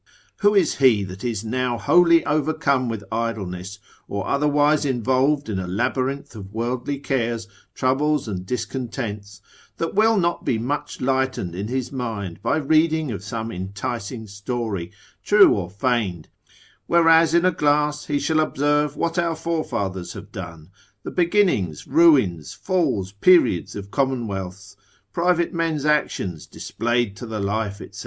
Who is he that is now wholly overcome with idleness, or otherwise involved in a labyrinth of worldly cares, troubles and discontents, that will not be much lightened in his mind by reading of some enticing story, true or feigned, whereas in a glass he shall observe what our forefathers have done, the beginnings, ruins, falls, periods of commonwealths, private men's actions displayed to the life, &c.